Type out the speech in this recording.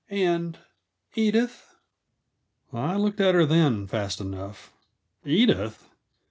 "And Edith?" I looked at her then, fast enough. "Edith?"